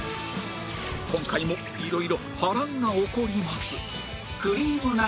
今回も色々波乱が起こります